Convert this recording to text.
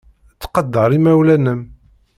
Ttqadar imawlan-nnem.